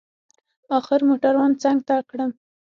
اخر موټروان څنگ ته کړم.